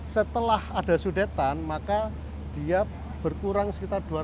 setelah ada sudetan maka dia berkurang sekitar dua ratus